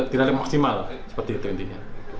tidak lebih maksimal seperti itu intinya